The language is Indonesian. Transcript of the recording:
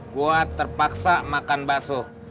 gue terpaksa makan basuh